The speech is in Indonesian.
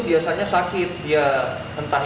biasanya sakit ya entah